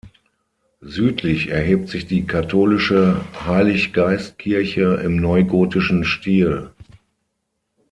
Südlich erhebt sich die katholische Heilig-Geist-Kirche im neugotischen Stil.